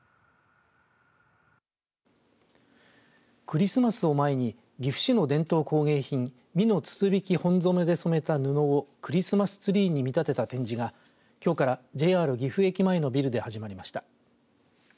クリスマスを前に岐阜市の伝統工芸品美濃筒引き本染めで染めた布をクリスマスツリーに見立てた展示がきょうからＪＲ岐阜駅前のビルで始まりました。